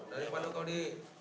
dari mana kau di